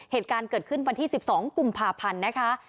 เหตุการณ์เกิดขึ้นบ๑๒กุมพาพันธุ์นะคะ